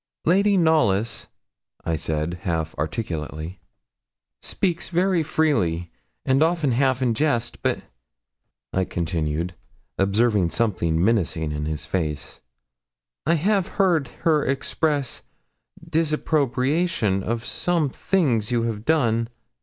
'Lady Knollys,' I said, half articulately, 'speaks very freely, and often half in jest; but,' I continued, observing something menacing in his face, 'I have heard her express disapprobation of some things you have done.'